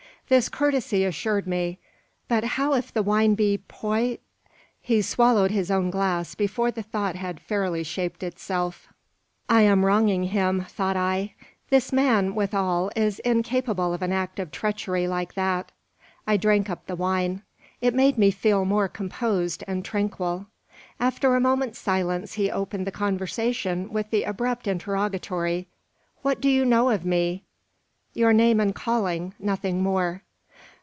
This courtesy assured me. "But how if the wine be poi ?" He swallowed his own glass before the thought had fairly shaped itself. "I am wronging him," thought I. "This man, with all, is incapable of an act of treachery like that." I drank up the wine. It made me feel more composed and tranquil. After a moment's silence he opened the conversation with the abrupt interrogatory, "What do you know of me?" "Your name and calling; nothing more."